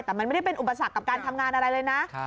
แต่มันไม่ได้เป็นอุปสรรคกับการทำงานอะไรเลยนะ